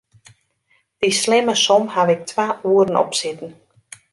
Dy slimme som haw ik twa oeren op sitten.